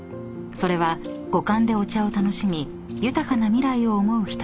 ［それは五感でお茶を楽しみ豊かな未来を思うひととき］